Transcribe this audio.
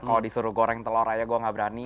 kalau disuruh goreng telur aja gue gak berani